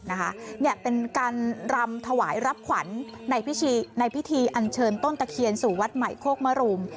เนี่ยเป็นการรำถวายรับขวัญในพิธีอันเชิญต้นตะเคียนสู่วัดใหม่โคกมรุม